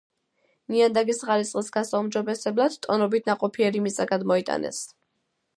ნიადაგის ხარისხის გასაუმჯობესებლად ტონობით ნაყოფიერი მიწა გადმოიტანეს.